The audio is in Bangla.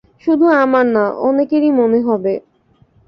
শুধু আমার না, অনেকেরই মনে হবে।